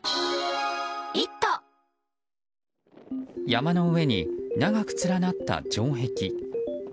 山の上に長く連なった城壁。